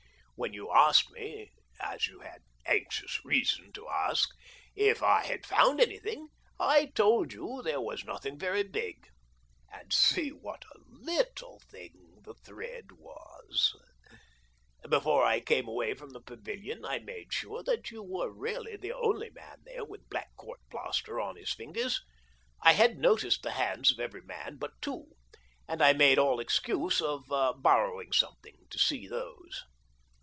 When you asked me (as you had anxious reason to ask) if I had found 188 THE DORRINGTON DEED BOX anything, I told you there was nothing very big — and see what a little thing the thread was ! Before I came away from the pavilion I made sure that you were really the only man there with black court plaster on his fingers. I had noticed the hands of every man but two, and I made an excuse of borrowing something to see those.